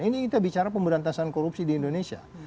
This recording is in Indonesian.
ini kita bicara pemberantasan korupsi di indonesia